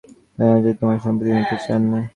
তাঁর নারাজিতে তোমার সম্পত্তি নিতে চাই নে।